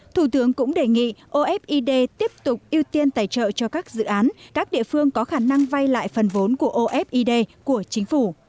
thủ tướng cũng đề nghị ofid tiếp tục ưu tiên tài trợ cho các dự án các địa phương có khả năng vay lại phần vốn của ofid của chính phủ